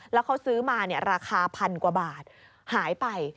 แล้วเขาซื้อมาราคาพันกว่าบาทหายไป